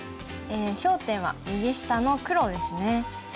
焦点は右下の黒ですね。